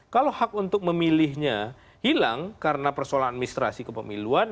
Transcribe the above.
kalau hak untuk memilihnya hilang karena persoalan administrasi kepemiluan